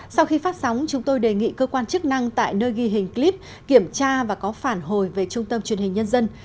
sau khi phát sóng chúng tôi đề nghị cơ quan chức năng tại nơi ghi hình clip kiểm tra và có phản hồi về trung tâm truyền hình nhân dân